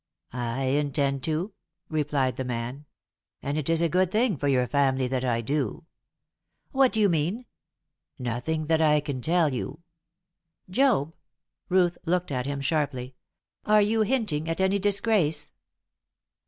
"I intend to," replied the man. "And it is a good thing for your family that I do." "What do you mean?" "Nothing that I can tell you." "Job" Ruth looked at him sharply "are you hinting at any disgrace?"